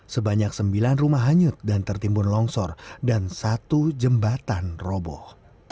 sebanyak sembilan rumah hanyut dan tertimbun longsor dan satu jembatan roboh